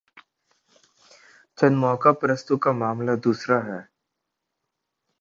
چند موقع پرستوں کا معاملہ دوسرا ہے۔